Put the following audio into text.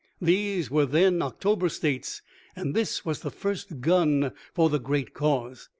* These were then October States, and this was the first gun for the great cause.